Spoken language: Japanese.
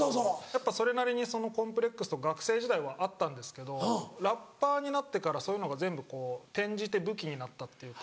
やっぱそれなりにコンプレックス学生時代はあったんですけどラッパーになってからそういうのが全部転じて武器になったっていうか。